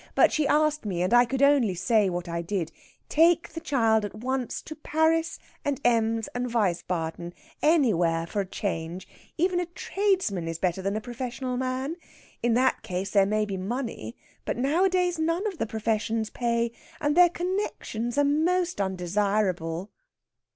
But she asked me, and I could only say what I did: 'Take the child at once to Paris and Ems and Wiesbaden anywhere for a change. Even a tradesman is better than a professional man. In that case there may be money. But nowadays none of the professions pay. And their connexions are most undesirable.'"